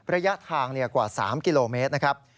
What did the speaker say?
ระยะทางกว่า๓กิโลเมตรนะครับ